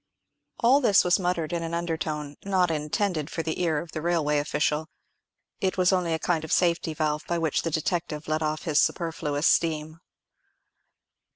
All this was muttered in an undertone, not intended for the ear of the railway official. It was only a kind of safety valve by which the detective let off his superfluous steam.